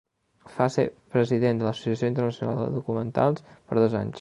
Fa ser president de l’Associació Internacional de Documentals per dos anys.